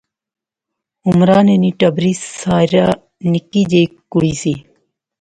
عمرانے نی ٹبری ساحرہ نکی جئی کڑی سی